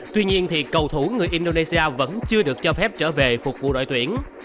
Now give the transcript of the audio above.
tuy nhiên cầu thủ người indonesia vẫn chưa được cho phép trở về phục vụ đội tuyển